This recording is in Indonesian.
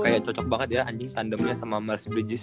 kayak cocok banget ya anjing tandemnya sama mars bridges